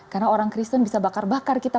karena orang kristen bisa bakar bakar kita